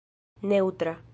neŭtra